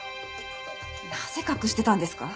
なぜ隠してたんですか？